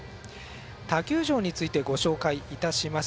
他球場についてご紹介いたします。